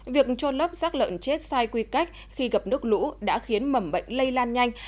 việc cho lớp rác lợn chết sai quy cách khi gặp nước lũ đã khiến mẩm bệnh lây lan nhanh